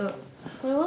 これは？